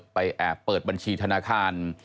แอบเปิดบัญชีธนาคาร